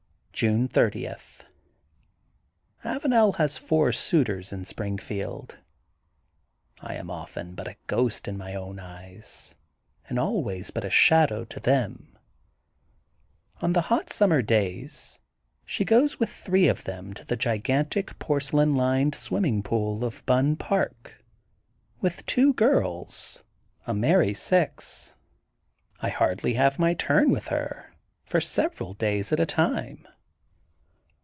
June 30: — ^Avanel has four suitors in Springfield. I am often but a ghost in my own eyes and always but shadow to them. On the hot summer days she goes with three of them to the gigantic porcelain lined swimming^pool of Bunn Park, with two girls, a merry six* / 216 THE GOLDEN BOOK OF SPRINGFIELD I hardly have my turn with) her for several days at a time.